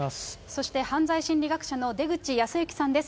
そして、犯罪心理学者の出口保行さんです。